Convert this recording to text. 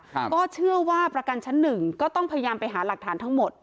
ครับก็เชื่อว่าประกันชั้นหนึ่งก็ต้องพยายามไปหาหลักฐานทั้งหมด